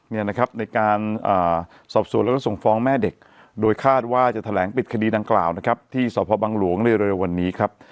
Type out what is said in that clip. เนี่ยนะครับในการสอบสวนแล้วก็ส่งฟ้องแม่เด็กโดยคาดว่าจะแถลงปิดคดีดังกล่าวนะครับที่สพบังหลวงในเร็ววันนี้ครับ